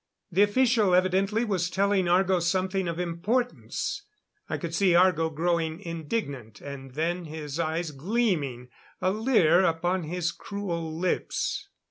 The official evidently was telling Argo something of importance. I could see Argo growing indignant and then his eyes gleaming, a leer upon his cruel lips.